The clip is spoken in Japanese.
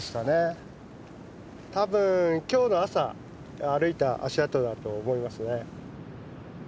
多分今日の朝歩いた足跡だと思いますね。